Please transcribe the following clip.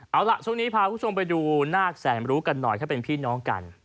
เอาล่ะช่วงนี้พาคุณผู้ชมไปดูนาคแสนรู้กันหน่อยเขาเป็นพี่น้องกัน